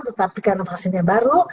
tetapi karena vaksinnya baru